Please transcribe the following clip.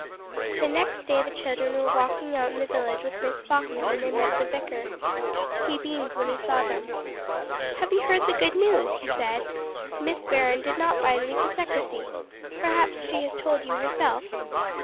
The next day the children were walking out in the village with Miss Falkner when they met the vicar. He beamed when he saw them. "Have you heard the good news?" he said. "Miss Baron did not bind me to secrecy. Perhaps she has told you herself?"